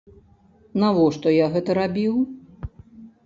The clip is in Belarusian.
Навошта я гэта рабіў?